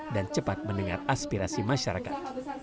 dan cepat mendengar aspirasi masyarakat